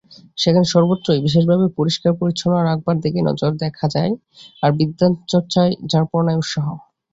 সেখানে সর্বত্রই বিশেষভাবে পরিষ্কার-পরিচ্ছন্ন রাখবার দিকে নজর দেখা যায়, আর বিদ্যাচর্চায় যারপরনাই উৎসাহ।